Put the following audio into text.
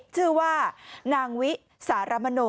ชื่อว่านางวิสารมโน